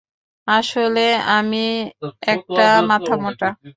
আসলে আমি একটা মাথামোটা!